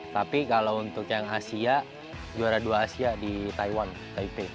tapi kalau untuk yang asia juara dua asia di taiwan taipei